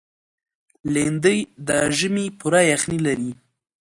لېندۍ د ژمي پوره یخني لري.